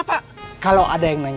amat kalah jalan disini yang cerobong